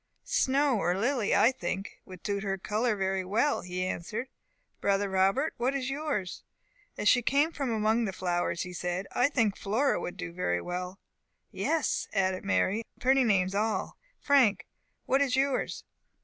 "Snow or Lily, I think, would suit her colour very well," he answered. "Brother Robert, what is yours?" "As she came from among the flowers," he said, "I think Flora would do very well." "Yes," added Mary, "and very pretty names all Frank, what is yours?"